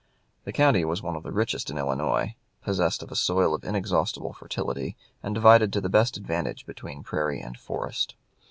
The county was one of the richest in Illinois, possessed of a soil of inexhaustible fertility, and divided to the best advantage between prairie and forest.